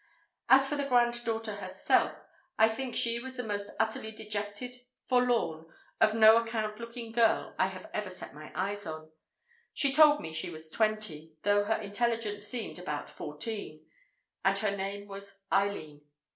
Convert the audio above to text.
As for the granddaughter herself, I think she was the most utterly dejected, forlorn, of no account looking girl I have ever set eyes on. She told me she was twenty (though her intelligence seemed about fourteen), and her name was Eileen.